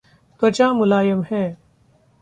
त्वचा मुलायम है।